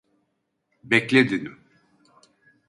Bekle dedim!